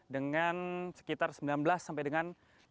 dengan sekitar sembilan belas sampai dengan